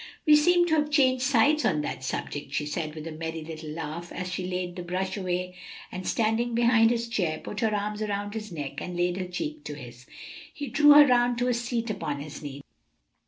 "We seem to have changed sides on that subject," she said, with a merry little laugh, as she laid the brush away, and standing behind his chair, put her arms around his neck and laid her cheek to his. He drew her round to a seat upon his knee.